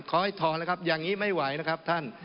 ขอให้ทอนนะครับอย่างนี้ไม่ไหวนะครับท่าน